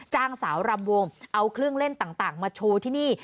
สาวรำวงเอาเครื่องเล่นต่างมาโชว์ที่นี่